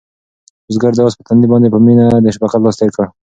بزګر د آس په تندي باندې په مینه د شفقت لاس تېر کړ.